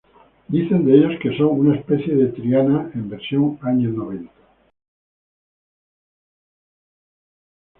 Dicen de ellos que son una especie de Triana en versión años noventa.